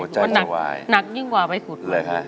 หัวใจจะวายหนักยิ่งกว่าไปขุดเลยค่ะ